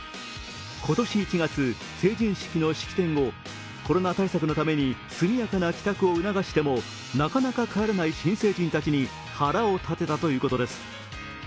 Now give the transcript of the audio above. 今年１月、成人式の式典をコロナ対策のために速やかな帰宅を促してもなかなか帰らない新成人たちに腹を立てたということです。